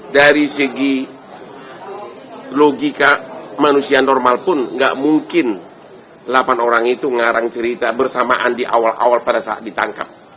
dari segi logika manusia normal pun nggak mungkin delapan orang itu ngarang cerita bersamaan di awal awal pada saat ditangkap